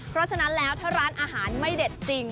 เพราะฉะนั้นแล้วถ้าร้านอาหารไม่เด็ดจริง